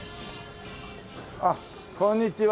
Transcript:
あっこんにちは。